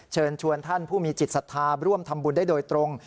เชิญชวนท่านผู้มีจิตศรัทธาร่วมทำบุญได้โดยตรง